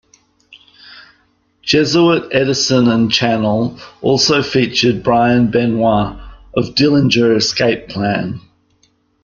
Jesuit, Edison, and Channel also featured Brian Benoit of Dillinger Escape Plan.